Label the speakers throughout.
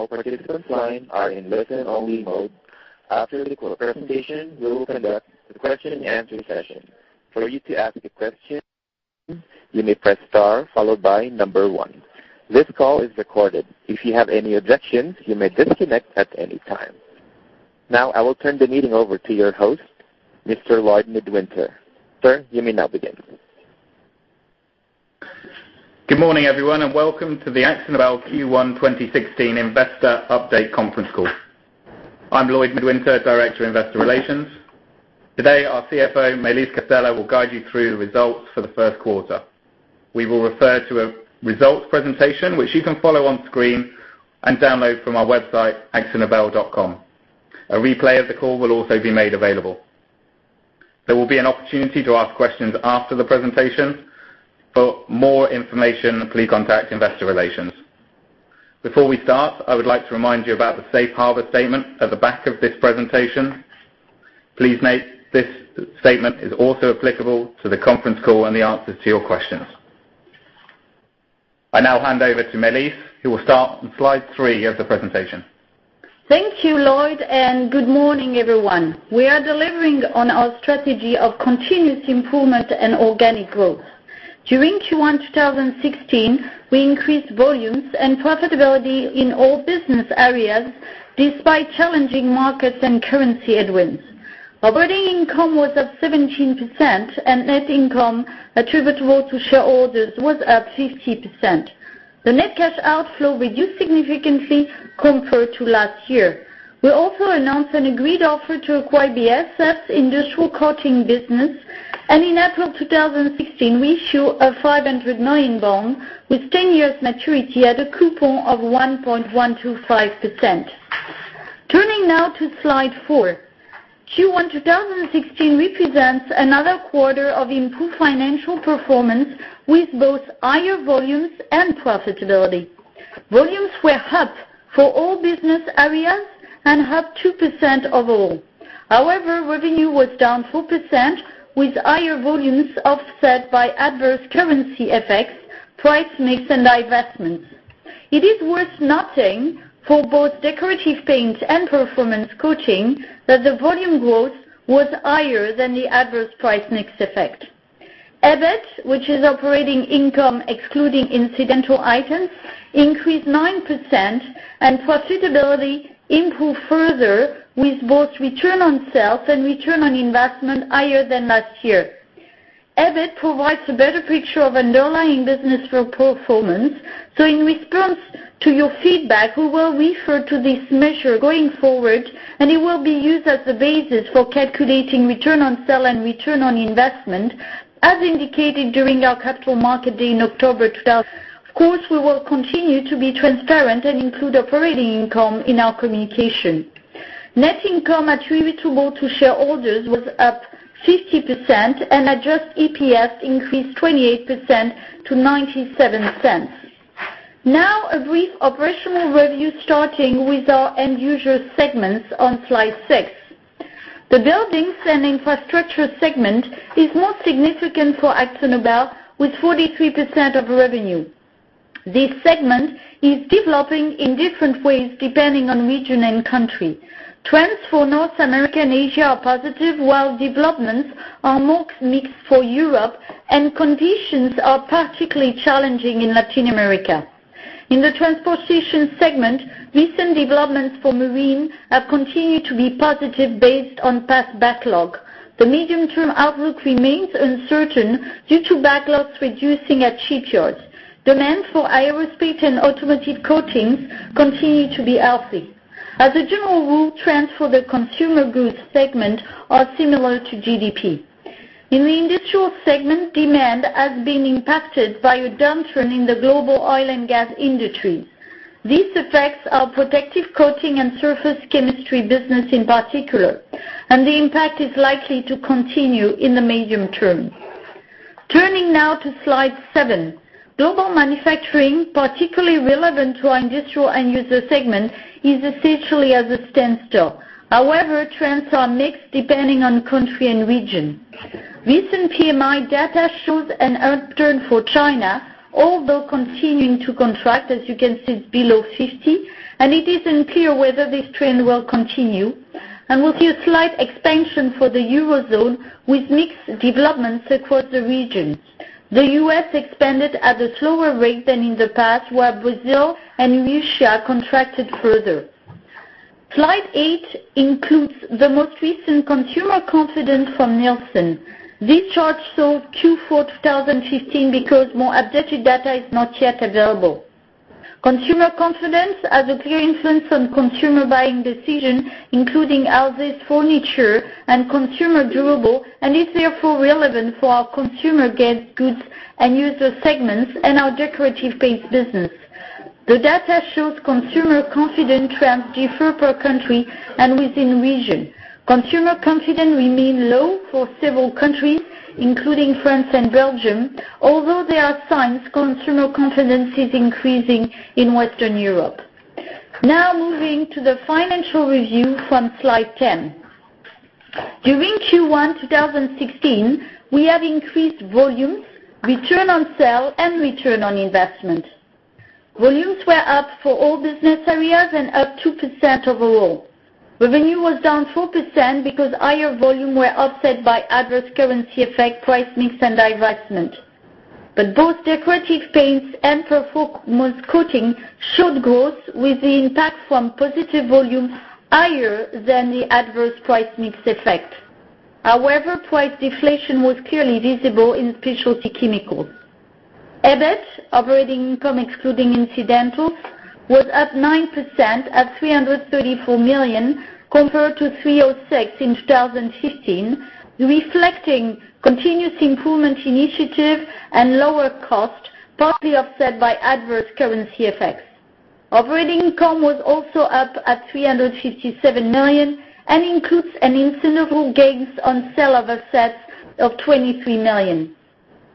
Speaker 1: All participants are in listen-only mode. After the presentation, we will conduct the question and answer session. For you to ask a question, you may press star followed by 1. This call is recorded. If you have any objections, you may disconnect at any time. Now, I will turn the meeting over to your host, Mr. Lloyd Midwinter. Sir, you may now begin.
Speaker 2: Good morning, everyone, and welcome to the Akzo Nobel Q1 2016 Investor Update Conference Call. I'm Lloyd Midwinter, Director of Investor Relations. Today, our CFO, Maëlys Castella, will guide you through the results for the first quarter. We will refer to a results presentation which you can follow on screen and download from our website, akzonobel.com. A replay of the call will also be made available. There will be an opportunity to ask questions after the presentation. For more information, please contact investor relations. Before we start, I would like to remind you about the safe harbor statement at the back of this presentation. Please note this statement is also applicable to the conference call and the answers to your questions. I now hand over to Maëlys, who will start on slide three of the presentation.
Speaker 3: Thank you, Lloyd, good morning, everyone. We are delivering on our strategy of continuous improvement and organic growth. During Q1 2016, we increased volumes and profitability in all business areas despite challenging markets and currency headwinds. Operating income was up 17%, and net income attributable to shareholders was up 50%. The net cash outflow reduced significantly compared to last year. We also announced an agreed offer to acquire BASF's Industrial Coatings business, and in April 2016, we issued a 500 million bond with 10 years maturity at a coupon of 1.125%. Turning now to slide four. Q1 2016 represents another quarter of improved financial performance with both higher volumes and profitability. Volumes were up for all business areas and up 2% overall. However, revenue was down 4%, with higher volumes offset by adverse currency effects, price mix, and divestments. It is worth noting for both Decorative Paints and Performance Coatings that the volume growth was higher than the adverse price mix effect. EBIT, which is operating income excluding incidental items, increased 9%, and profitability improved further with both Return on Sales and Return on Investment higher than last year. EBIT provides a better picture of underlying business performance. In response to your feedback, we will refer to this measure going forward, and it will be used as the basis for calculating Return on Sales and Return on Investment as indicated during our capital market day in October. Of course, we will continue to be transparent and include operating income in our communication. Net income attributable to shareholders was up 50%, and adjusted EPS increased 28% to 0.97. Now a brief operational review, starting with our end user segments on slide six. The buildings and infrastructure segment is most significant for AkzoNobel, with 43% of revenue. This segment is developing in different ways depending on region and country. Trends for North America and Asia are positive, while developments are more mixed for Europe, and conditions are particularly challenging in Latin America. In the transportation segment, recent developments for marine have continued to be positive based on past backlog. The medium-term outlook remains uncertain due to backlogs reducing at shipyards. Demand for aerospace and automotive coatings continue to be healthy. As a general rule, trends for the consumer goods segment are similar to GDP. In the industrial segment, demand has been impacted by a downturn in the global oil and gas industry. These affects our protective coating and Surface Chemistry business in particular, and the impact is likely to continue in the medium term. Turning now to slide seven. Global manufacturing, particularly relevant to our industrial and user segment, is essentially at a standstill. However, trends are mixed depending on country and region. Recent PMI data shows an upturn for China, although continuing to contract, as you can see, it's below 50, and it is unclear whether this trend will continue, and we'll see a slight expansion for the Eurozone with mixed developments across the region. The U.S. expanded at a slower rate than in the past, while Brazil and Russia contracted further. Slide eight includes the most recent consumer confidence from Nielsen. This chart shows Q4 2015 because more updated data is not yet available. Consumer confidence has a clear influence on consumer buying decision, including houses, furniture, and consumer durables, and is therefore relevant for our consumer goods and user segments and our Decorative Paints business. The data shows consumer confidence trends differ per country and within region. Consumer confidence remains low for several countries, including France and Belgium. Although there are signs consumer confidence is increasing in Western Europe. Now moving to the financial review on slide 10. During Q1 2016, we have increased volumes, return on sale, and Return on Investment. Volumes were up for all business areas and up 2% overall. Revenue was down 4% because higher volumes were offset by adverse currency effect, price mix, and divestment. Both Decorative Paints and Performance Coatings showed growth with the impact from positive volumes higher than the adverse price mix effect. However, price deflation was clearly visible in Specialty Chemicals. EBIT, operating income excluding incidentals, was up 9% at 334 million compared to 306 in 2015, reflecting continuous improvement initiative and lower cost, partly offset by adverse currency effects. Operating income was also up at 357 million and includes an incidental gains on sale of assets of 23 million.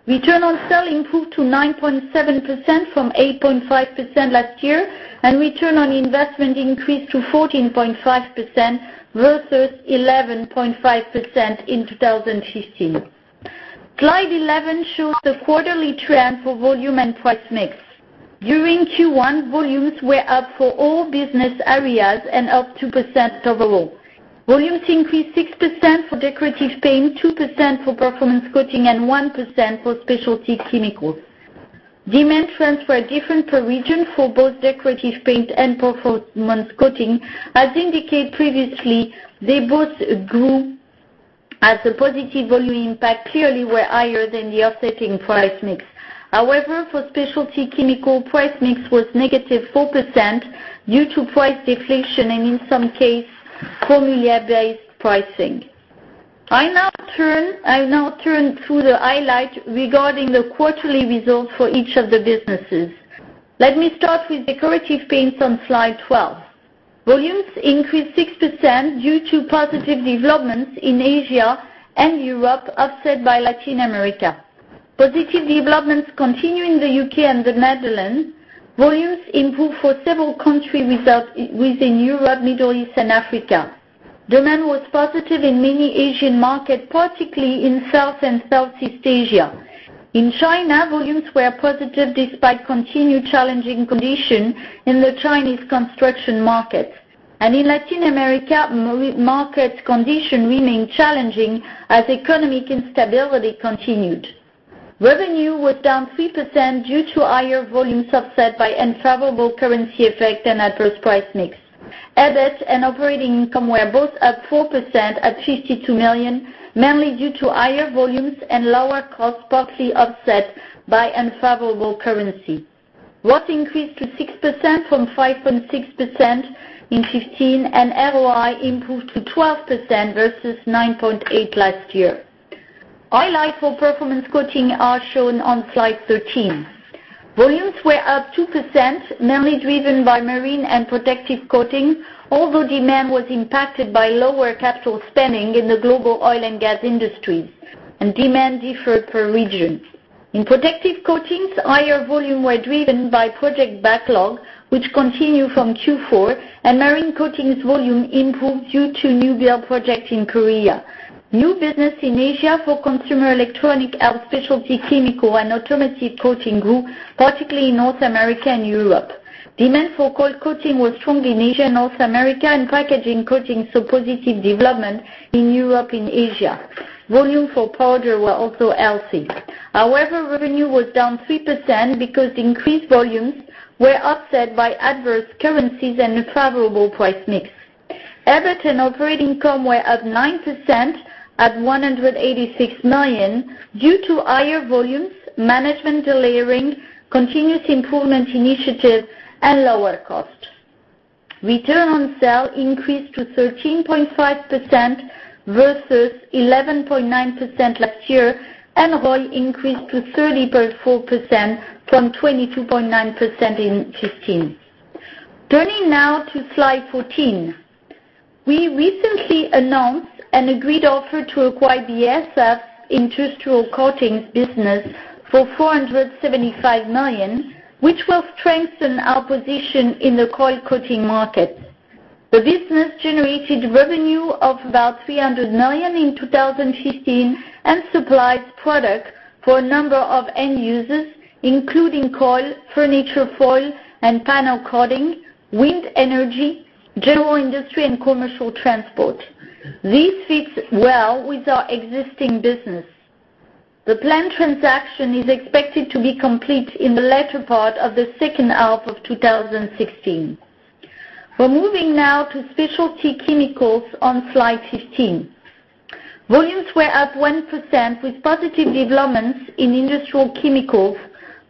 Speaker 3: Return on sale improved to 9.7% from 8.5% last year, and Return on Investment increased to 14.5% versus 11.5% in 2015. Slide 11 shows the quarterly trend for volume and price mix. During Q1, volumes were up for all business areas and up 2% overall. Volumes increased 6% for Decorative Paints, 2% for Performance Coatings, and 1% for Specialty Chemicals. Demand trends were different per region for both Decorative Paints and Performance Coatings. As indicated previously, they both grew as the positive volume impact clearly were higher than the offsetting price mix. However, for Specialty Chemicals, price mix was negative 4% due to price deflation and in some cases, formula-based pricing. I'll now turn to the highlights regarding the quarterly results for each of the businesses. Let me start with Decorative Paints on slide 12. Volumes increased 6% due to positive developments in Asia and Europe, offset by Latin America. Positive developments continue in the U.K. and the Netherlands. Volumes improved for several countries within Europe, Middle East, and Africa. Demand was positive in many Asian markets, particularly in South and Southeast Asia. In China, volumes were positive despite continued challenging condition in the Chinese construction market. In Latin America, market condition remained challenging as economic instability continued. Revenue was down 3% due to higher volumes offset by unfavorable currency effect and adverse price mix. EBIT and operating income were both up 4% at 52 million, mainly due to higher volumes and lower cost, partly offset by unfavorable currency. ROS increased to 6% from 5.6% in 2015, and ROI improved to 12% versus 9.8% last year. Highlights for Performance Coatings are shown on slide 13. Volumes were up 2%, mainly driven by Marine and Protective Coatings, although demand was impacted by lower capital spending in the global oil and gas industries, and demand differed per region. In protective coatings, higher volumes were driven by project backlog, which continued from Q4, and marine coatings volume improved due to new build projects in Korea. New business in Asia for consumer electronics, our Specialty Chemicals, and automotive coatings grew, particularly in North America and Europe. Demand for Coil Coatings was strong in Asia and North America, and Packaging Coatings saw positive development in Europe and Asia. Volumes for Powder Coatings were also healthy. However, revenue was down 3% because increased volumes were offset by adverse currencies and unfavorable price mix. EBIT and operating income were up 9% at 186 million due to higher volumes, management delayering, continuous improvement initiatives, and lower cost. Return on sale increased to 13.5% versus 11.9% last year, and ROI increased to 30.4% from 22.9% in 2015. Turning now to slide 14. We recently announced an agreed offer to acquire BASF's Industrial Coatings business for 475 million, which will strengthen our position in the Coil Coatings market. The business generated revenue of about 300 million in 2015 and supplies products for a number of end users, including coil, furniture foil, and panel coatings, wind energy, general industry, and commercial transport. This fits well with our existing business. The planned transaction is expected to be complete in the latter part of the second half of 2016. We are moving now to Specialty Chemicals on slide 15. Volumes were up 1% with positive developments in Industrial Chemicals,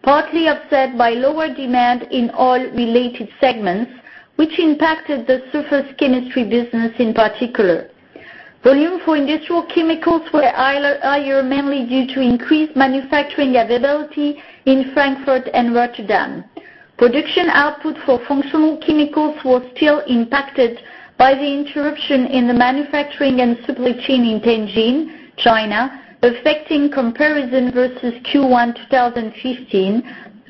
Speaker 3: partly offset by lower demand in oil-related segments, which impacted the Surface Chemistry business in particular. Volumes for Industrial Chemicals were higher, mainly due to increased manufacturing availability in Frankfurt and Rotterdam. Production output for Functional Chemicals was still impacted by the interruption in the manufacturing and supply chain in Tianjin, China, affecting comparison versus Q1 2015,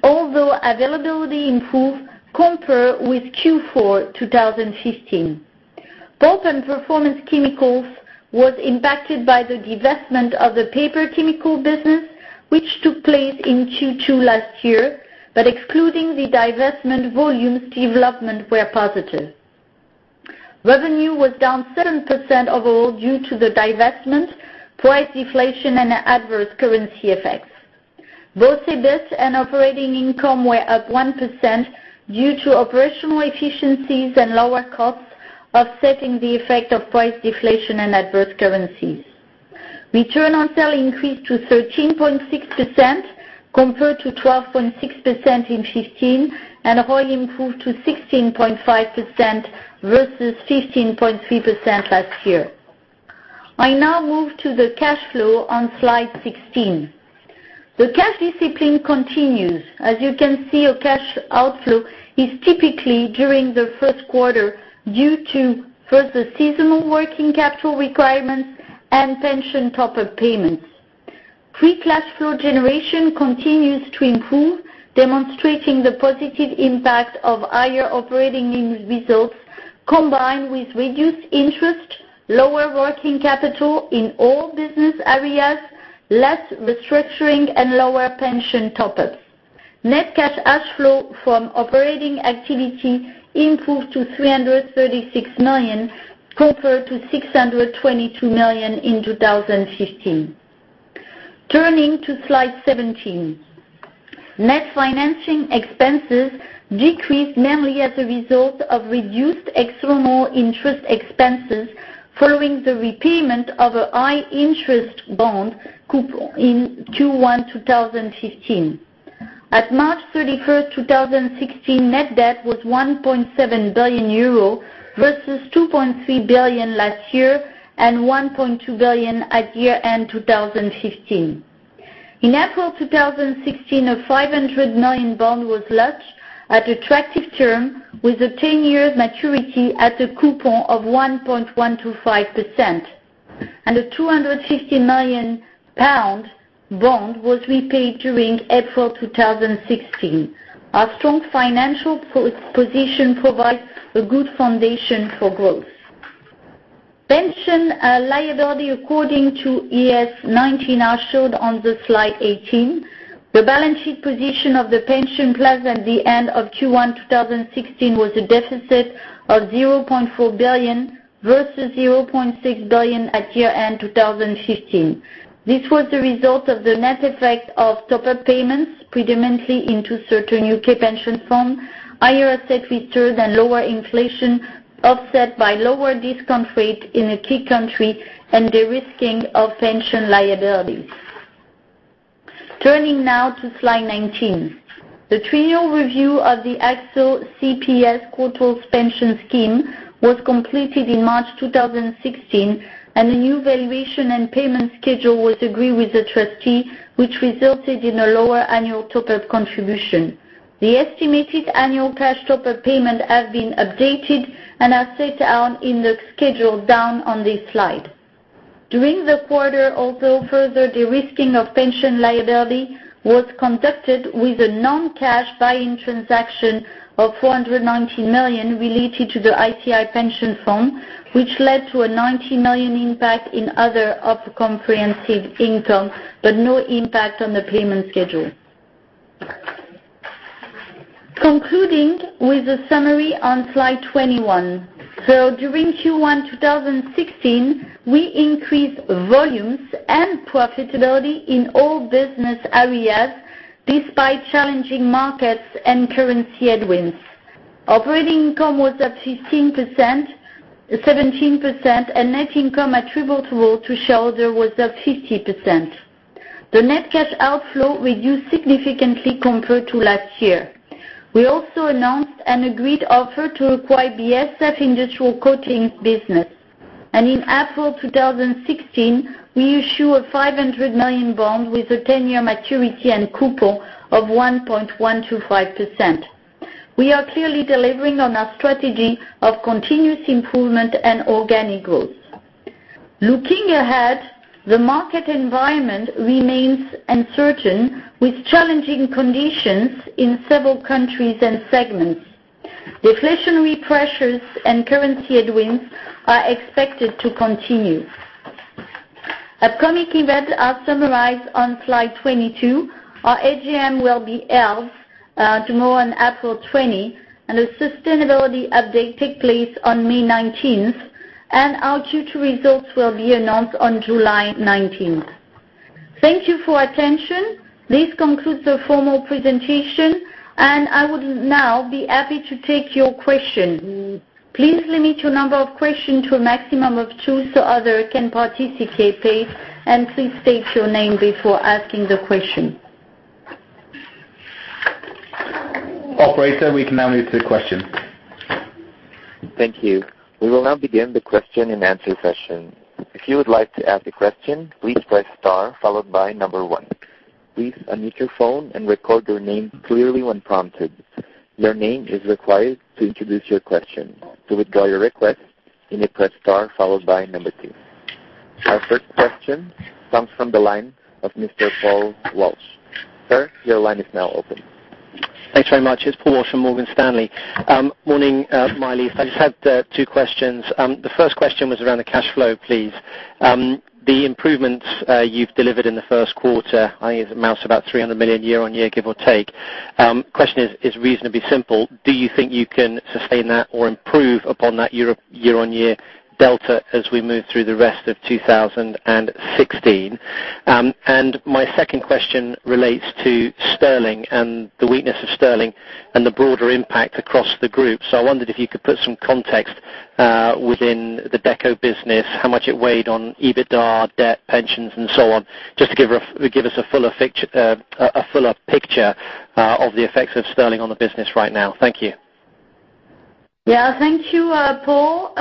Speaker 3: although availability improved compared with Q4 2015. Pulp and Performance Chemicals was impacted by the divestment of the Paper Chemicals business, which took place in Q2 last year, but excluding the divestment volumes, developments were positive. Revenue was down 7% overall due to the divestment, price deflation, and adverse currency effects. Both EBIT and operating income were up 1% due to operational efficiencies and lower costs offsetting the effect of price deflation and adverse currencies. Return on sale increased to 13.6% compared to 12.6% in 2015, and ROI improved to 16.5% versus 15.3% last year. I now move to the cash flow on slide 16. The cash discipline continues. As you can see, our cash outflow is typically during the first quarter due to, first, the seasonal working capital requirements and pension top-up payments. Free cash flow generation continues to improve, demonstrating the positive impact of higher operating results combined with reduced interest, lower working capital in all business areas, less restructuring, and lower pension top-ups. Net cash flow from operating activity improved to 336 million compared to 622 million in 2015. Turning to slide 17. Net financing expenses decreased mainly as a result of reduced external interest expenses following the repayment of a high-interest bond coupon in Q1 2015. At March 31st, 2016, net debt was 1.7 billion euro versus 2.3 billion last year and 1.2 billion at year-end 2015. In April 2016, a 500 million bond was launched at attractive term with a 10-year maturity at a coupon of 1.125%, and a 250 million pound bond was repaid during April 2016. Our strong financial position provides a good foundation for growth. Pension liability according to IAS 19 are showed on the slide 18. The balance sheet position of the pension plan at the end of Q1 2016 was a deficit of 0.4 billion, versus 0.6 billion at year-end 2015. This was the result of the net effect of top-up payments, predominantly into certain U.K. pension funds, higher asset returns and lower inflation, offset by lower discount rate in a key country and de-risking of pension liabilities. Turning now to slide 19. The triennial review of the AkzoNobel (CPS) Pension Scheme was completed in March 2016, and a new valuation and payment schedule was agreed with the trustee, which resulted in a lower annual top-up contribution. The estimated annual cash top-up payment has been updated and are set out in the schedule down on this slide. During the quarter, also, further de-risking of pension liability was conducted with a non-cash buy-in transaction of 490 million related to the ICI pension fund, which led to a 90 million impact in other comprehensive income, but no impact on the payment schedule. Concluding with a summary on slide 21. During Q1 2016, we increased volumes and profitability in all business areas despite challenging markets and currency headwinds. Operating income was up 17%, and net income attributable to shareholders was up 50%. The net cash outflow reduced significantly compared to last year. We also announced an agreed offer to acquire BASF Industrial Coatings business. In April 2016, we issue a 500 million bond with a 10-year maturity and coupon of 1.125%. We are clearly delivering on our strategy of continuous improvement and organic growth. Looking ahead, the market environment remains uncertain, with challenging conditions in several countries and segments. Deflationary pressures and currency headwinds are expected to continue. Upcoming events are summarized on slide 22. Our AGM will be held tomorrow on April 20, and a sustainability update take place on May 19th, and our Q2 results will be announced on July 19th. Thank you for your attention. This concludes the formal presentation, and I would now be happy to take your question. Please limit your number of question to a maximum of two so others can participate, and please state your name before asking the question.
Speaker 2: Operator, we can now move to questions.
Speaker 1: Thank you. We will now begin the question-and-answer session. If you would like to ask a question, please press star followed by 1. Please unmute your phone and record your name clearly when prompted. Your name is required to introduce your question. To withdraw your request, you may press star followed by 2. Our first question comes from the line of Mr. Paul Walsh. Sir, your line is now open.
Speaker 4: Thanks very much. It's Paul Walsh from Morgan Stanley. Morning, Maëlys. I just had two questions. The first question was around the cash flow, please. The improvements you've delivered in the first quarter, I think it amounts about 300 million year-on-year, give or take. Question is reasonably simple. Do you think you can sustain that or improve upon that year-on-year delta as we move through the rest of 2016? My second question relates to sterling and the weakness of sterling and the broader impact across the group. I wondered if you could put some context within the Deco business, how much it weighed on EBITDA, debt, pensions, and so on, just to give us a fuller picture of the effects of sterling on the business right now. Thank you.
Speaker 3: Yeah, thank you, Paul.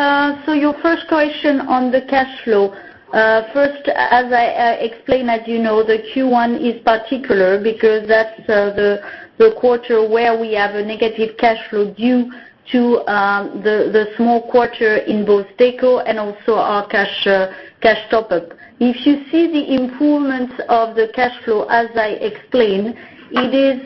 Speaker 3: Your first question on the cash flow. First, as I explained, as you know, the Q1 is particular because that's the quarter where we have a negative cash flow due to the small quarter in both Deco and also our cash top-up. If you see the improvements of the cash flow, as I explained, it is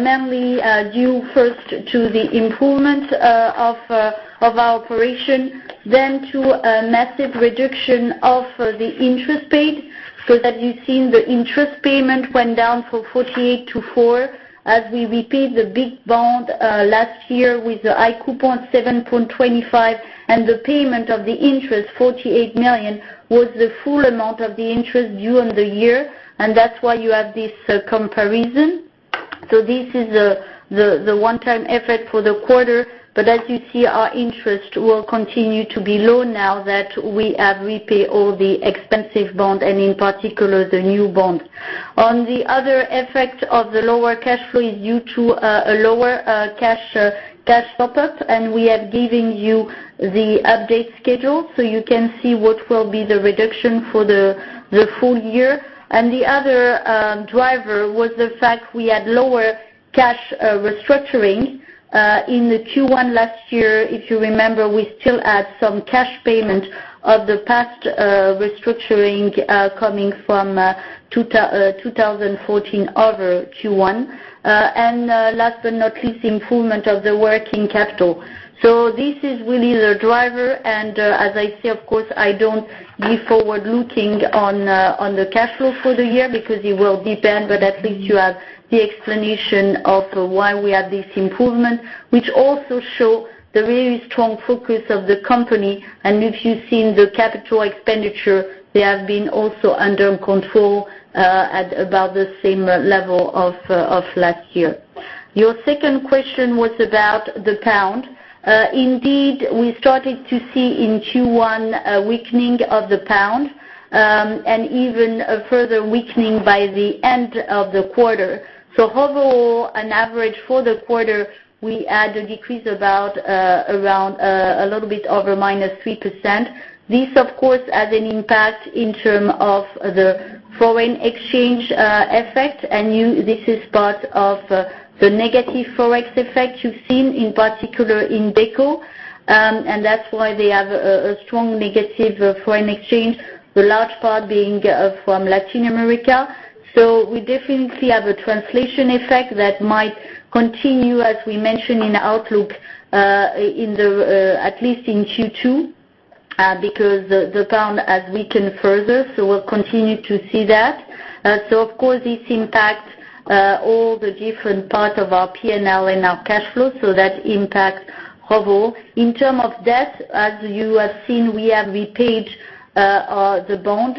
Speaker 3: mainly due first to the improvement of our operation, then to a massive reduction of the interest paid, so that you've seen the interest payment went down from 48 to 4, as we repaid the big bond last year with the high coupon 7.25%. The payment of the interest, 48 million, was the full amount of the interest due on the year. That's why you have this comparison. This is the one-time effort for the quarter, as you see, our interest will continue to be low now that we have repaid all the expensive bond and in particular, the new bond. The other effect of the lower cash flow is due to a lower cash top-up, we are giving you the update schedule so you can see what will be the reduction for the full year. The other driver was the fact we had lower cash restructuring. In the Q1 last year, if you remember, we still had some cash payment of the past restructuring coming from 2014 over Q1. Last but not least, improvement of the working capital. This is really the driver. As I say, of course, I don't give forward-looking on the cash flow for the year because it will depend, at least you have the explanation of why we have this improvement, which also show the really strong focus of the company. If you've seen the capital expenditure, they have been also under control at about the same level of last year. Your second question was about the GBP. Indeed, we started to see in Q1 a weakening of the GBP, even a further weakening by the end of the quarter. Overall, an average for the quarter, we had a decrease around a little bit over -3%. This, of course, has an impact in terms of the foreign exchange effect. This is part of the negative Forex effect you've seen, in particular in Deco. That's why they have a strong negative foreign exchange, the large part being from Latin America. We definitely have a translation effect that might continue, as we mentioned in the outlook, at least in Q2 because the GBP has weakened further, we'll continue to see that. Of course, this impacts all the different part of our P&L and our cash flow, that impacts overall. In terms of debt, as you have seen, we have repaid the bond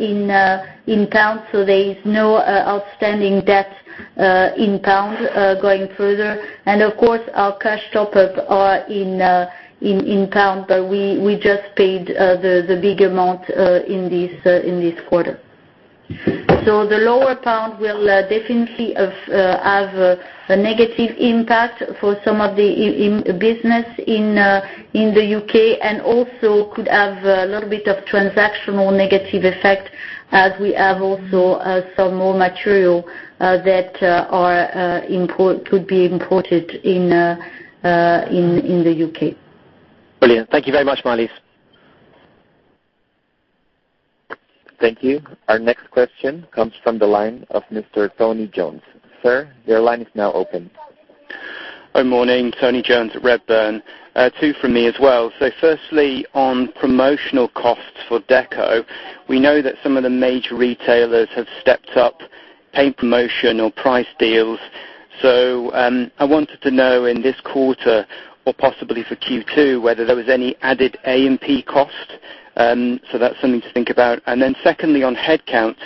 Speaker 3: in GBP, there is no outstanding debt in GBP going further. Of course, our cash top-up are in GBP, but we just paid the big amount in this quarter. The lower GBP will definitely have a negative impact for some of the business in the U.K. and also could have a little bit of transactional negative effect as we have also some more material that could be imported in the U.K.
Speaker 4: Brilliant. Thank you very much, Maëlys.
Speaker 1: Thank you. Our next question comes from the line of Mr. Tony Jones. Sir, your line is now open.
Speaker 5: Hi, morning. Tony Jones at Redburn. Two from me as well. Firstly, on promotional costs for Deco, we know that some of the major retailers have stepped up pay promotion or price deals. I wanted to know in this quarter or possibly for Q2, whether there was any added A&P cost. That's something to think about. Secondly, on headcounts.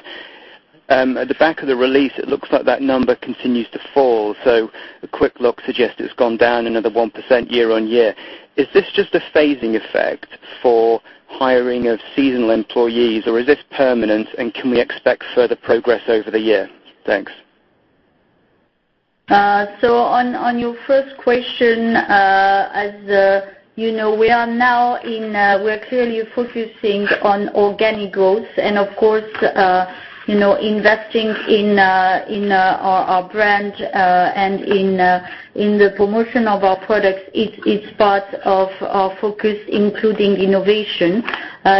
Speaker 5: At the back of the release, it looks like that number continues to fall. A quick look suggests it's gone down another 1% year-over-year. Is this just a phasing effect for hiring of seasonal employees, or is this permanent, and can we expect further progress over the year? Thanks.
Speaker 3: On your first question, as you know, we are now clearly focusing on organic growth and, of course, investing in our brand and in the promotion of our products is part of our focus, including innovation.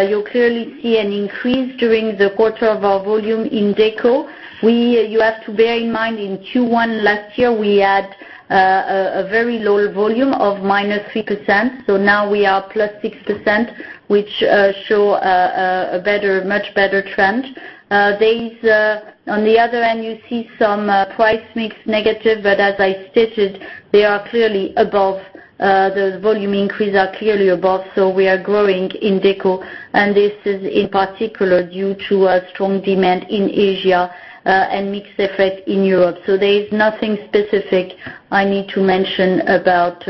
Speaker 3: You'll clearly see an increase during the quarter of our volume in Deco. You have to bear in mind, in Q1 last year, we had a very low volume of minus 3%. Now we are plus 6%, which shows a much better trend. On the other end, you see some price mix negative, but as I stated, the volume increase are clearly above. We are growing in Deco, and this is in particular due to a strong demand in Asia and mixed effect in Europe. There is nothing specific I need to mention about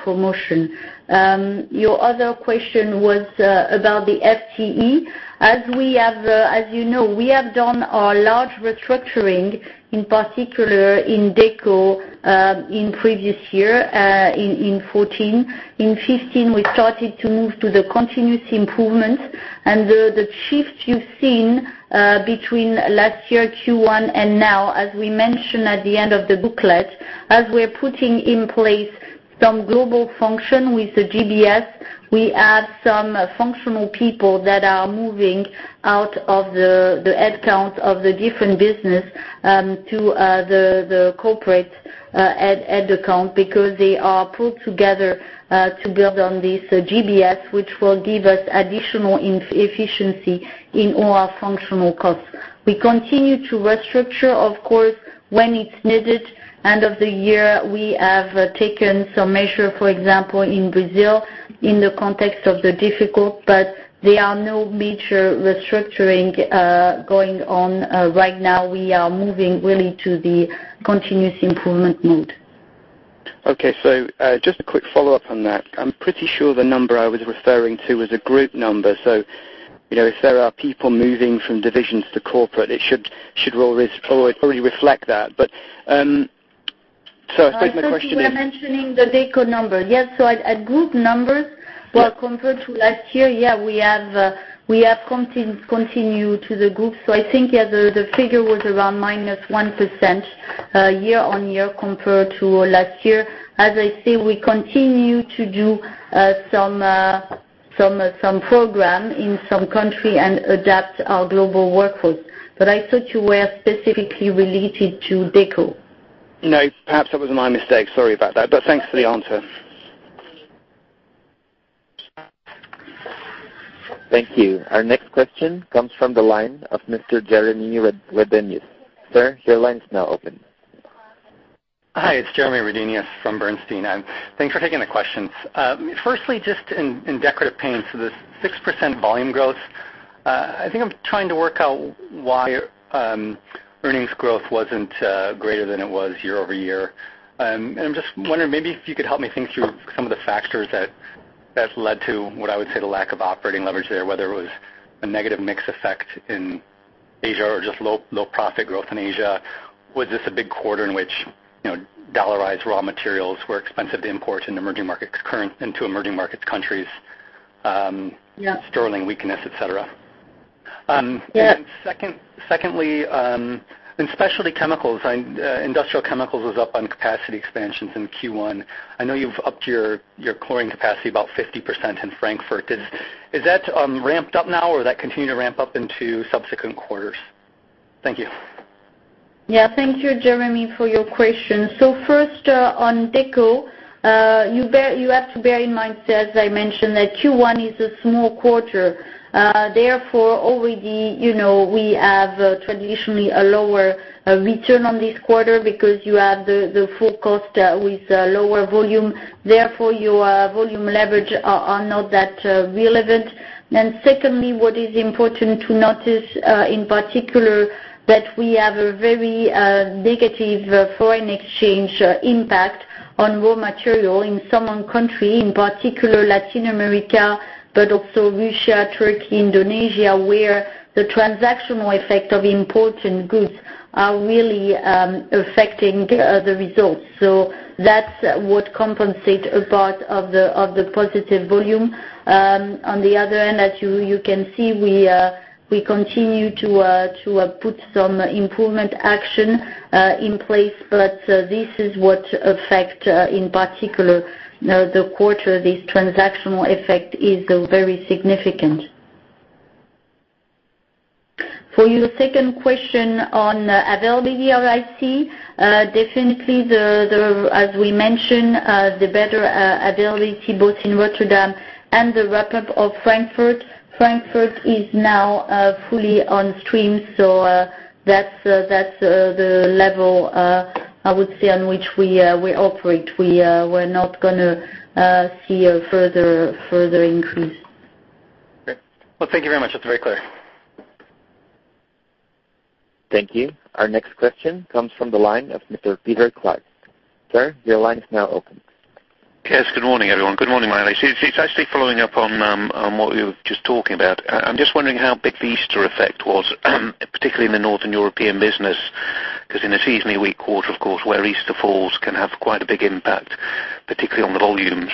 Speaker 3: promotion. Your other question was about the FTE. As you know, we have done our large restructuring, in particular in Deco, in previous year, in 2014. In 2015, we started to move to the continuous improvement. The shift you've seen between last year, Q1 and now, as we mentioned at the end of the booklet, as we are putting in place some global function with the GBS, we add some functional people that are moving out of the headcounts of the different business to the corporate headcount because they are pulled together to build on this GBS, which will give us additional efficiency in all our functional costs. We continue to restructure, of course, when it is needed. End of the year, we have taken some measure, for example, in Brazil. There are no major restructuring going on right now. We are moving really to the continuous improvement mode.
Speaker 5: Okay, just a quick follow-up on that. I am pretty sure the number I was referring to was a group number. If there are people moving from divisions to corporate, it should always probably reflect that.
Speaker 3: I thought you were mentioning the Deco number. Yes, at group numbers.
Speaker 5: Yes
Speaker 3: Well, compared to last year, yeah, we have continued to the group. I think, yeah, the figure was around -1% year-on-year compared to last year. As I say, we continue to do some program in some country and adapt our global workforce. I thought you were specifically related to Deco.
Speaker 5: No, perhaps that was my mistake. Sorry about that. Thanks for the answer.
Speaker 1: Thank you. Our next question comes from the line of Mr. Jeremy Redenius. Sir, your line is now open.
Speaker 6: Hi, it's Jeremy Redenius from Bernstein. Thanks for taking the questions. Firstly, just in Decorative Paints, this 6% volume growth, I think I'm trying to work out why earnings growth wasn't greater than it was year-over-year. I'm just wondering maybe if you could help me think through some of the factors that led to what I would say the lack of operating leverage there, whether it was a negative mix effect in Asia or just low profit growth in Asia. Was this a big quarter in which dollarized raw materials were expensive to import into emerging market countries-
Speaker 3: Yeah
Speaker 6: sterling weakness, et cetera?
Speaker 3: Yeah.
Speaker 6: Secondly, in Specialty Chemicals, Industrial Chemicals was up on capacity expansions in Q1. I know you've upped your chlorine capacity about 50% in Frankfurt. Is that ramped up now, or will that continue to ramp up into subsequent quarters? Thank you.
Speaker 3: Thank you, Jeremy, for your question. First, on Deco, you have to bear in mind, as I mentioned, that Q1 is a small quarter. Therefore, already we have traditionally a lower return on this quarter because you have the full cost with lower volume. Therefore, your volume leverage are not that relevant. Secondly, what is important to notice, in particular, that we have a very negative foreign exchange impact on raw material in some country, in particular Latin America, but also Russia, Turkey, Indonesia, where the transactional effect of imported goods are really affecting the results. That would compensate a part of the positive volume. On the other end, as you can see, we continue to put some improvement action in place, but this is what affect, in particular, the quarter. This transactional effect is very significant. For your second question on availability of IC, definitely as we mentioned, the better availability both in Rotterdam and the ramp-up of Frankfurt. Frankfurt is now fully on stream, that's the level, I would say, on which we operate. We're not going to see a further increase.
Speaker 6: Great. Thank you very much. That's very clear.
Speaker 1: Thank you. Our next question comes from the line of Mr. Peter Clark. Sir, your line is now open
Speaker 7: Yes. Good morning, everyone. Good morning, Maëlys. It is actually following up on what you were just talking about. I am just wondering how big the Easter effect was, particularly in the Northern European business, because in a seasonally weak quarter, of course, where Easter falls can have quite a big impact, particularly on the volumes.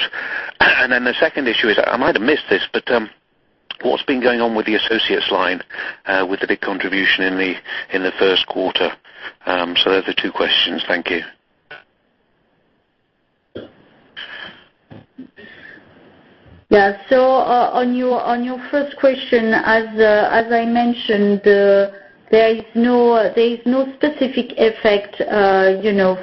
Speaker 7: The second issue is, I might have missed this, but what has been going on with the associates line, with the big contribution in the first quarter? Those are the two questions. Thank you.
Speaker 3: On your first question, as I mentioned, there is no specific effect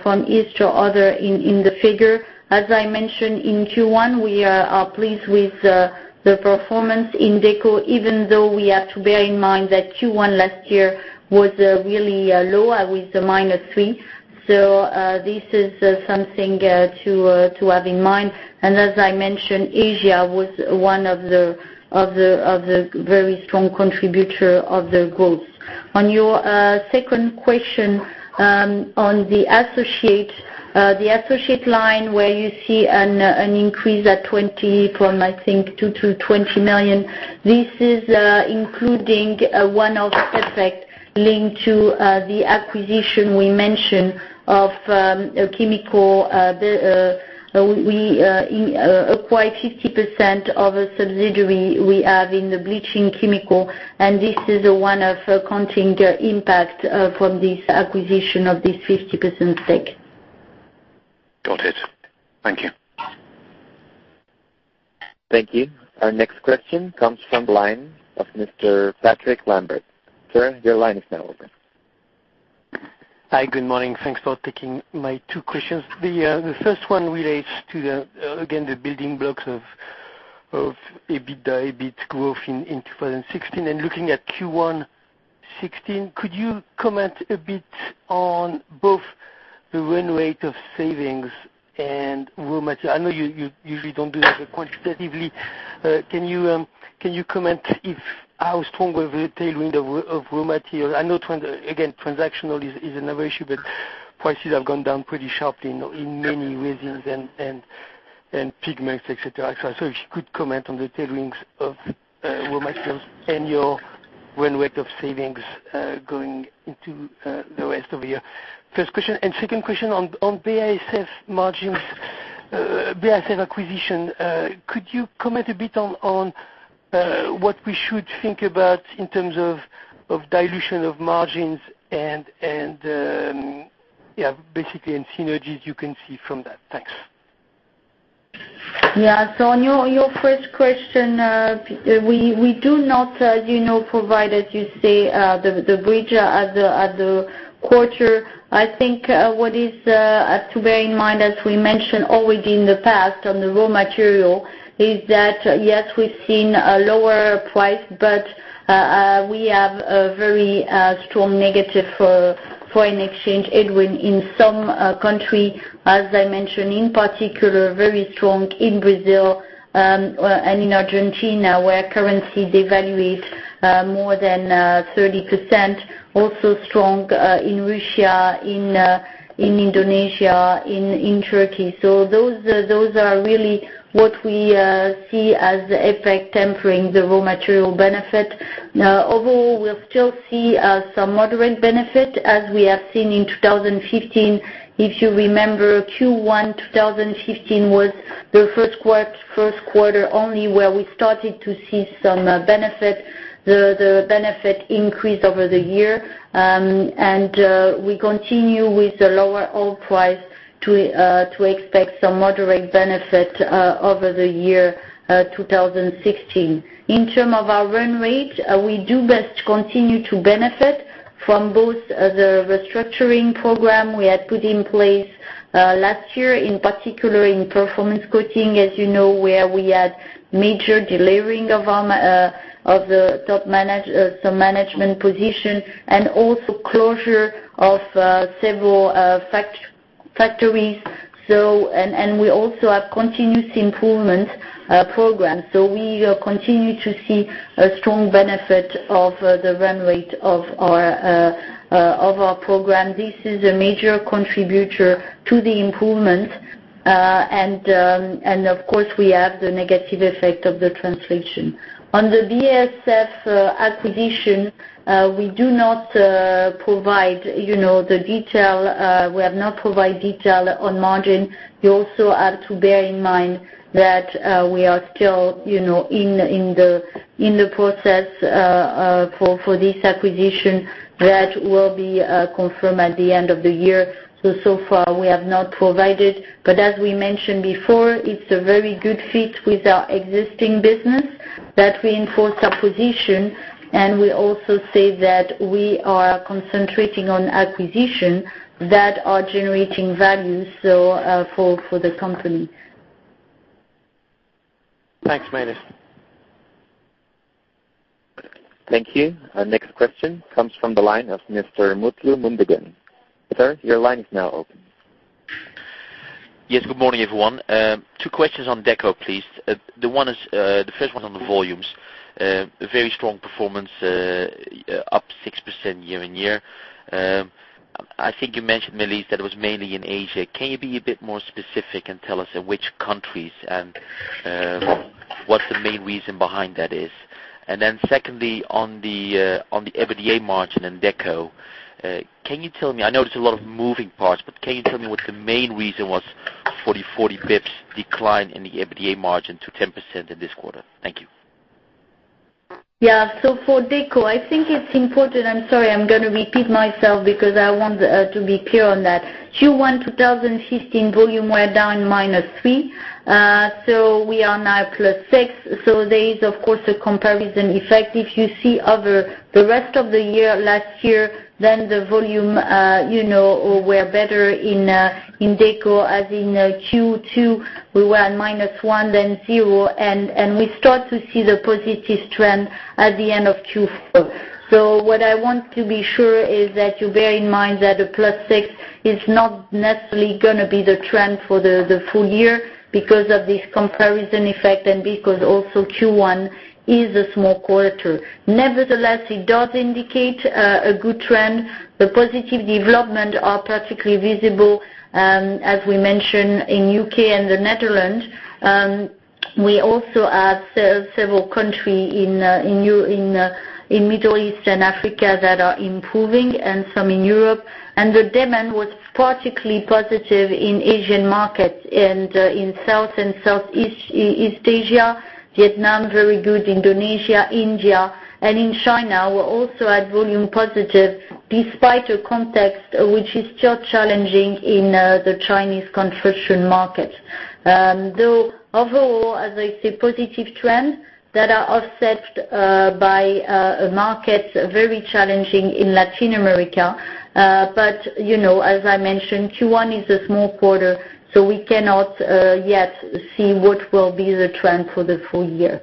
Speaker 3: from Easter or other in the figure. As I mentioned in Q1, we are pleased with the performance in Deco, even though we have to bear in mind that Q1 last year was really low with the minus 3%. This is something to have in mind. As I mentioned, Asia was one of the very strong contributor of the growth. On your second question on the associate line, where you see an increase at 20 million from, I think, 2 million to 20 million. This is including a one-off effect linked to the acquisition we mentioned of a chemical. We acquired 50% of a subsidiary we have in the bleaching chemicals, and this is one of accounting impact from this acquisition of this 50% stake.
Speaker 7: Got it. Thank you.
Speaker 1: Thank you. Our next question comes from line of Mr. Patrick Lambert. Sir, your line is now open.
Speaker 8: Hi, good morning. Thanks for taking my two questions. The first one relates to, again, the building blocks of EBITDA, EBIT growth in 2016. Looking at Q1 2016, could you comment a bit on both the run rate of savings and raw material? I know you usually don't do that quantitatively. Can you comment how strong of a tailwind of raw material? I know, again, transactional is another issue, but prices have gone down pretty sharply in many resins and pigments, et cetera. If you could comment on the tailwinds of raw materials and your run rate of savings going into the rest of the year. First question, and second question on BASF margins, BASF acquisition, could you comment a bit on what we should think about in terms of dilution of margins and, yeah, basically, and synergies you can see from that? Thanks.
Speaker 3: Yeah. On your first question, we do not provide, as you say, the bridge at the quarter. I think what is to bear in mind, as we mentioned always in the past on the raw material, is that, yes, we've seen a lower price, but we have a very strong negative foreign exchange headwind in some country. As I mentioned, in particular, very strong in Brazil, and in Argentina, where currency devaluates more than 30%. Also strong in Russia, in Indonesia, in Turkey. Those are really what we see as the effect tempering the raw material benefit. Overall, we'll still see some moderate benefit, as we have seen in 2015. If you remember, Q1 2015 was the first quarter only where we started to see some benefit. The benefit increased over the year. We continue with the lower oil price to expect some moderate benefit over the year 2016. In terms of our run rate, we do best continue to benefit from both the restructuring program we had put in place last year, in particular in Performance Coatings, as you know, where we had major delayering of the top management, some management position, and also closure of several factories. We also have continuous improvement program. We continue to see a strong benefit of the run rate of our program. This is a major contributor to the improvement. Of course, we have the negative effect of the translation. On the BASF acquisition, we do not provide the detail. We have not provided detail on margin. You also have to bear in mind that we are still in the process for this acquisition that will be confirmed at the end of the year. So far we have not provided, but as we mentioned before, it's a very good fit with our existing business that reinforce our position, and we also say that we are concentrating on acquisition that are generating value for the company.
Speaker 8: Thanks, Maëlys.
Speaker 1: Thank you. Our next question comes from the line of Mr. Mutlu Mutluer. Sir, your line is now open.
Speaker 9: Yes. Good morning, everyone. Two questions on Deco, please. The first one on the volumes. A very strong performance, up 6% year-on-year. I think you mentioned, Maëlys, that it was mainly in Asia. Can you be a bit more specific and tell us in which countries and what the main reason behind that is? Secondly, on the EBITDA margin and Deco, I notice a lot of moving parts, but can you tell me what the main reason was for the 40 basis points decline in the EBITDA margin to 10% in this quarter? Thank you.
Speaker 3: For Deco, I think it's important, I'm sorry, I'm going to repeat myself because I want to be clear on that. Q1 2015 volume were down minus three. We are now plus six. There is, of course, a comparison effect. If you see the rest of the year last year, then the volume were better in Deco as in Q2 we were at minus one, then 0, and we start to see the positive trend at the end of Q4. What I want to be sure is that you bear in mind that a plus six is not necessarily going to be the trend for the full year because of this comparison effect and because also Q1 is a small quarter. Nevertheless, it does indicate a good trend. The positive development are particularly visible, as we mentioned in U.K. and Netherlands. We also have several country in Middle East and Africa that are improving and some in Europe. The demand was particularly positive in Asian markets and in South and Southeast Asia, Vietnam, very good, Indonesia, India, and in China were also at volume positive despite a context which is still challenging in the Chinese construction market. Overall, as I say, positive trends that are offset by markets very challenging in Latin America. As I mentioned, Q1 is a small quarter, we cannot yet see what will be the trend for the full year.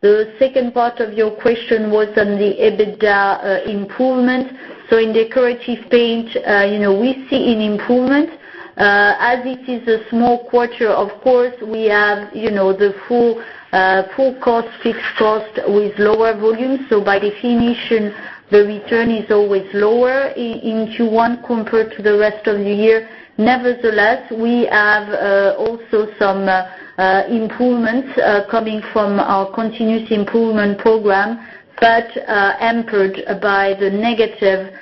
Speaker 3: The second part of your question was on the EBITDA improvement. In Decorative Paints, we see an improvement. As it is a small quarter, of course, we have the full cost, fixed cost with lower volume. By definition, the return is always lower in Q1 compared to the rest of the year. Nevertheless, we have also some improvements coming from our continuous improvement program, but hampered by the negative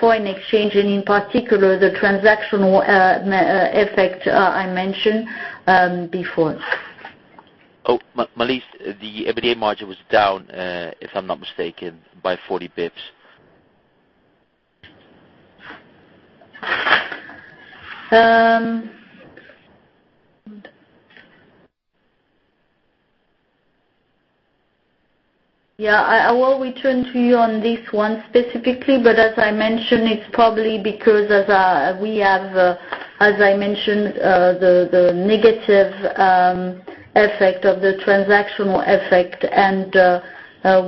Speaker 3: foreign exchange and in particular, the transactional effect I mentioned before.
Speaker 9: Oh, Maëlys, the EBITDA margin was down, if I'm not mistaken, by 40 basis points.
Speaker 3: Yeah, I will return to you on this one specifically. As I mentioned, it's probably because as I mentioned, the negative effect of the transactional effect.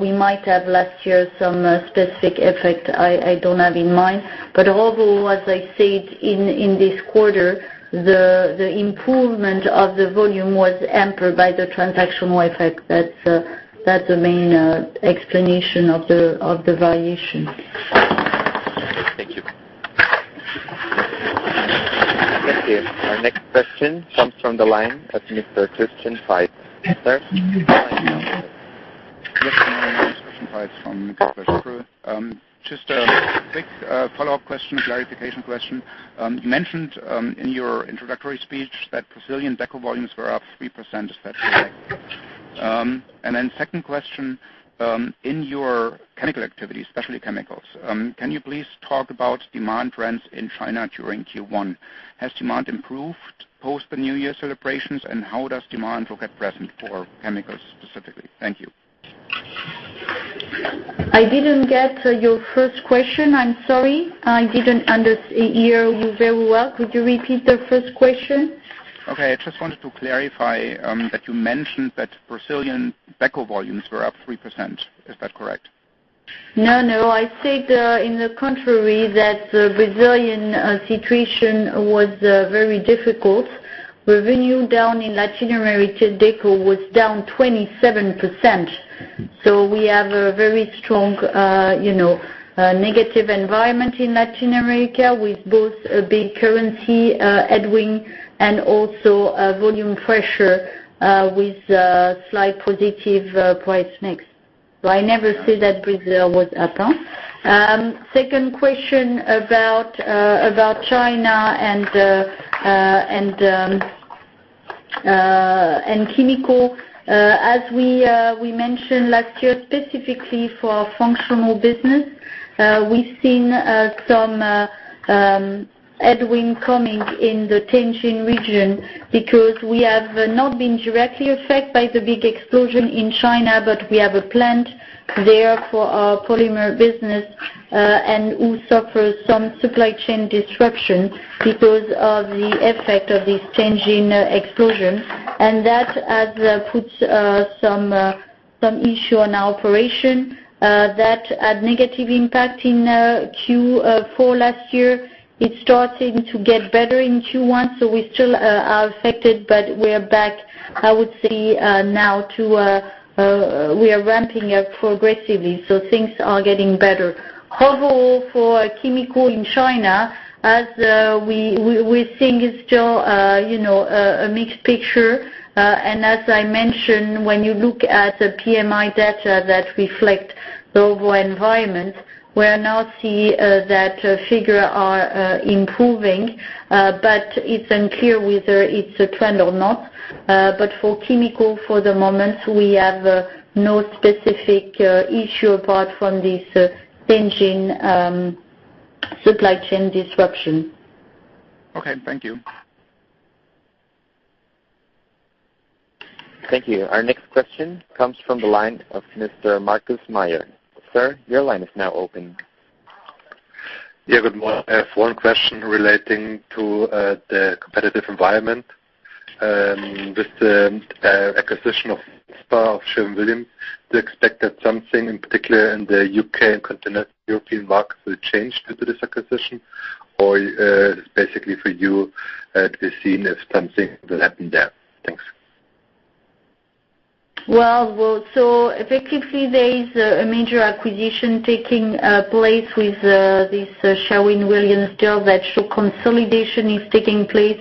Speaker 3: We might have last year some specific effect I don't have in mind. Overall, as I said, in this quarter, the improvement of the volume was hampered by the transactional effect. That's the main explanation of the variation.
Speaker 9: Okay, thank you.
Speaker 1: Thank you. Our next question comes from the line of Mr. Christian Faitz. Sir, the line is yours.
Speaker 10: Yes, my name is Christian Faitz from Jefferies. Just a quick follow-up question, clarification question. You mentioned in your introductory speech that Brazilian Deco volumes were up 3%, is that correct? Second question, in your chemical activity, Specialty Chemicals, can you please talk about demand trends in China during Q1? Has demand improved post the New Year celebrations, and how does demand look at present for chemicals specifically? Thank you.
Speaker 3: I didn't get your first question. I'm sorry. I didn't hear you very well. Could you repeat the first question?
Speaker 10: Okay. I just wanted to clarify that you mentioned that Brazilian Deco volumes were up 3%. Is that correct?
Speaker 3: No, I said in the contrary that Brazilian situation was very difficult. Revenue down in Latin America, Deco was down 27%. We have a very strong negative environment in Latin America with both a big currency headwind and also volume pressure with slight positive price mix. I never said that Brazil was up. Second question about China and chemicals. As we mentioned last year, specifically for our functional business, we've seen some headwind coming in the Tianjin region because we have not been directly affected by the big explosion in China, but we have a plant there for our polymer business and who suffer some supply chain disruption because of the effect of this Tianjin explosion. That has put some issue on our operation that had negative impact in Q4 last year. It's starting to get better in Q1. We still are affected, but we are back, I would say, we are ramping up progressively, so things are getting better. Overall, for chemical in China, as we're seeing it's still a mixed picture. As I mentioned, when you look at the PMI data that reflect the overall environment, we are now seeing that figure are improving, but it's unclear whether it's a trend or not. For chemical, for the moment, we have no specific issue apart from this Tianjin supply chain disruption.
Speaker 10: Okay. Thank you.
Speaker 1: Thank you. Our next question comes from the line of Mr. Markus Mayer. Sir, your line is now open.
Speaker 11: Good morning. I have one question relating to the competitive environment. With the acquisition of Valspar of Sherwin-Williams, do you expect that something in particular in the U.K. and continental European markets will change after this acquisition? Basically for you, to be seen if something will happen there. Thanks.
Speaker 3: Effectively there is a major acquisition taking place with this Sherwin-Williams deal that show consolidation is taking place.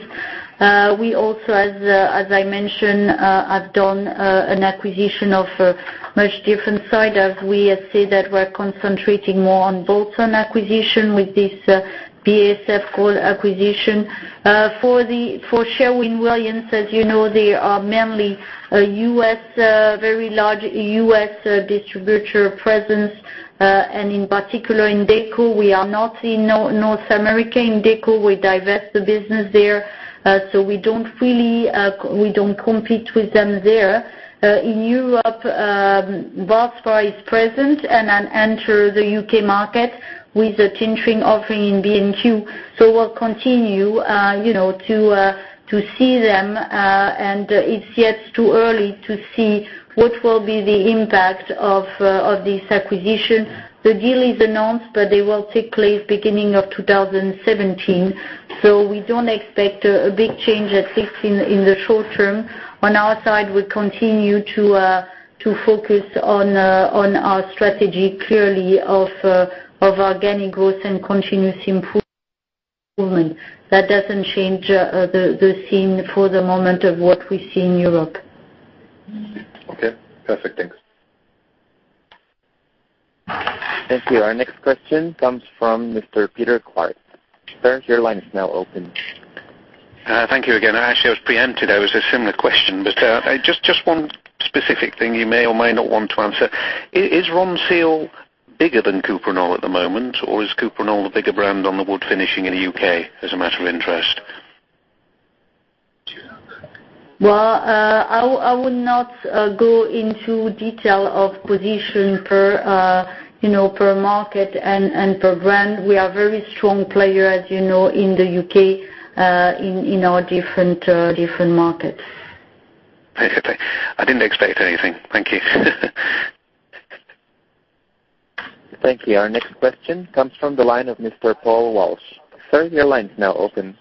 Speaker 3: We also, as I mentioned, have done an acquisition of a much different side as we have said that we're concentrating more on bolt-on acquisition with this BASF Industrial Coatings acquisition. For Sherwin-Williams, as you know, they are mainly a very large U.S. distributor presence. In particular in Deco, we are not in North America. In Deco, we divest the business there. We don't compete with them there. In Europe, Valspar is present and then enter the U.K. market with a tinting offering in B&Q. We'll continue to see them, and it's yet too early to see what will be the impact of this acquisition. The deal is announced, they will take place beginning of 2017. We don't expect a big change, at least in the short term. On our side, we continue to focus on our strategy clearly of organic growth and continuous improvement. That doesn't change the scene for the moment of what we see in Europe.
Speaker 11: Okay. Perfect. Thanks.
Speaker 1: Thank you. Our next question comes from Mr. Peter Clark. Sir, your line is now open.
Speaker 7: Thank you again. Actually, I was preempted. I was a similar question, but just one specific thing you may or may not want to answer. Is Ronseal bigger than Cuprinol at the moment, or is Cuprinol the bigger brand on the wood finishing in the U.K. as a matter of interest?
Speaker 3: Well, I would not go into detail of position per market and per brand. We are very strong player as you know, in the U.K., in our different markets.
Speaker 7: Perfect. I didn't expect anything. Thank you.
Speaker 1: Thank you. Our next question comes from the line of Mr. Paul Walsh. Sir, your line is now open.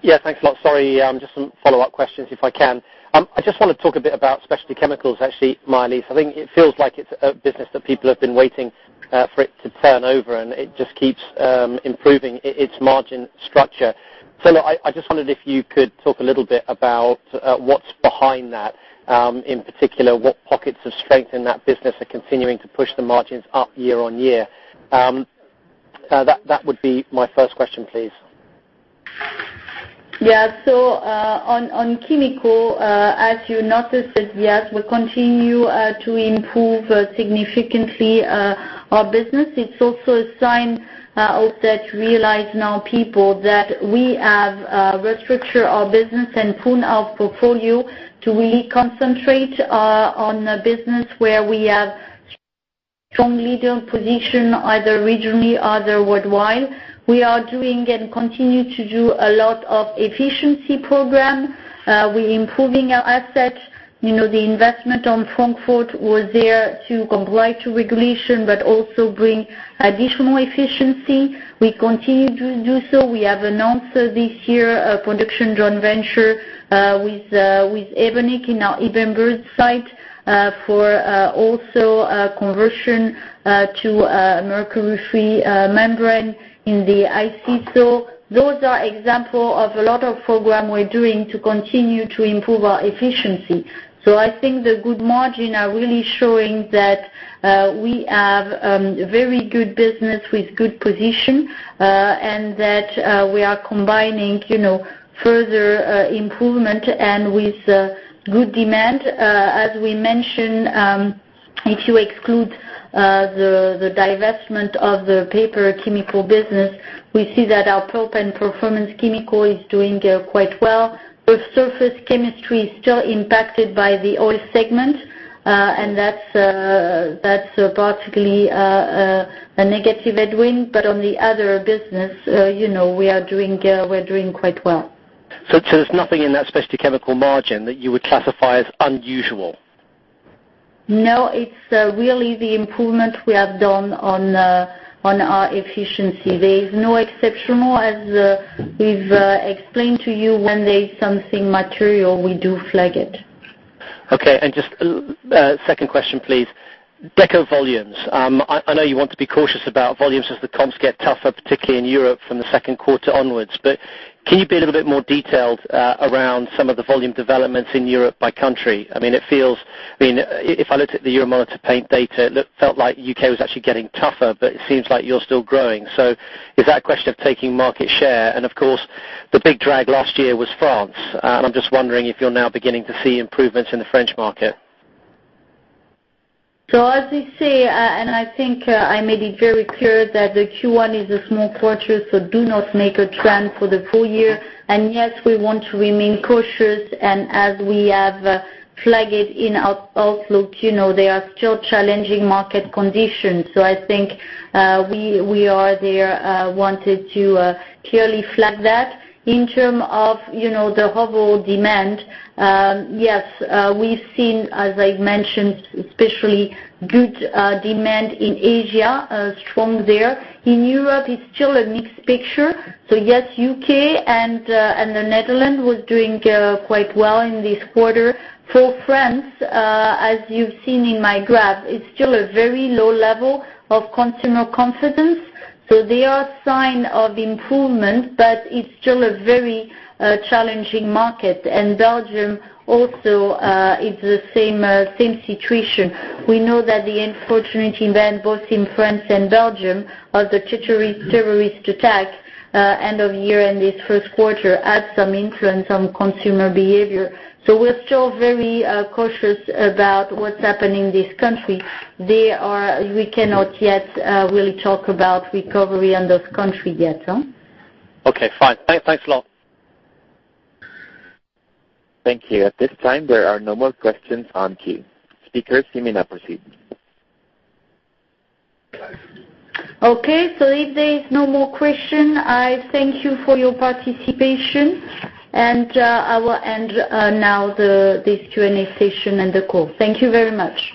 Speaker 4: Yeah. Thanks a lot. Sorry. Just some follow-up questions, if I can. I just want to talk a bit about Specialty Chemicals, actually, Maëlys. I think it feels like it's a business that people have been waiting for it to turn over, and it just keeps improving its margin structure. Look, I just wondered if you could talk a little bit about what's behind that. In particular, what pockets of strength in that business are continuing to push the margins up year-on-year? That would be my first question, please.
Speaker 3: Yeah. On chemicals, as you noticed it, yes, we continue to improve significantly our business. It's also a sign of that realize now people that we have restructured our business and prune our portfolio to really concentrate on a business where we have strong leader position either regionally, either worldwide. We are doing and continue to do a lot of efficiency program. We're improving our assets. The investment on Frankfurt was there to comply to regulation but also bring additional efficiency. We continue to do so. We have announced this year a production joint venture with Evonik in our Ibbenbüren site for also conversion to a mercury-free membrane in the Industrial Chemicals. Those are examples of a lot of program we're doing to continue to improve our efficiency. I think the good margins are really showing that we have very good business with good position, and that we are combining further improvement and with good demand. As we mentioned, if you exclude the divestment of the Paper Chemicals business, we see that our Pulp and Performance Chemicals is doing quite well. The Surface Chemistry is still impacted by the oil segment, and that's practically a negative headwind. On the other business, we're doing quite well.
Speaker 4: There's nothing in that Specialty Chemicals margin that you would classify as unusual?
Speaker 3: No, it's really the improvement we have done on our efficiency. There is no exceptional, as we've explained to you, when there's something material, we do flag it.
Speaker 4: Okay. Just a second question, please. Deco volumes. I know you want to be cautious about volumes as the comps get tougher, particularly in Europe from the second quarter onwards, but can you be a little bit more detailed around some of the volume developments in Europe by country? If I looked at the Euromonitor paint data, it felt like U.K. was actually getting tougher, but it seems like you're still growing. Is that a question of taking market share? Of course, the big drag last year was France. I'm just wondering if you're now beginning to see improvements in the French market.
Speaker 3: As I say, I think I made it very clear that the Q1 is a small quarter, do not make a trend for the full year. Yes, we want to remain cautious, as we have flagged it in our outlook, there are still challenging market conditions. I think we are there, wanted to clearly flag that. In terms of the overall demand, yes, we've seen, as I mentioned, especially good demand in Asia, strong there. In Europe, it's still a mixed picture. Yes, U.K. and the Netherlands was doing quite well in this quarter. For France, as you've seen in my graph, it's still a very low level of consumer confidence. There are signs of improvement, but it's still a very challenging market. Belgium also, it's the same situation. We know that the unfortunate event, both in France and Belgium, of the terrorist attack end of year in this first quarter had some influence on consumer behavior. We're still very cautious about what's happening in this country. We cannot yet really talk about recovery in those countries yet.
Speaker 4: Okay, fine. Thanks a lot.
Speaker 1: Thank you. At this time, there are no more questions in queue. Speakers, you may now proceed.
Speaker 3: Okay, if there is no more question, I thank you for your participation. I will end now this Q&A session and the call. Thank you very much.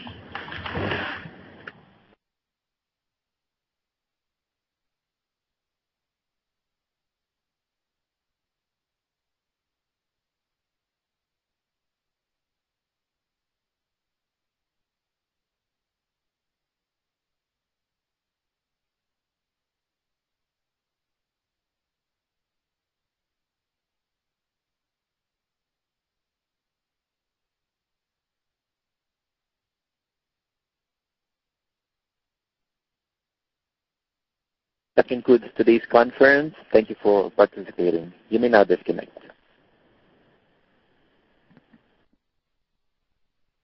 Speaker 1: That concludes today's conference. Thank you for participating. You may now disconnect.